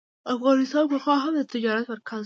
افغانستان پخوا هم د تجارت مرکز و.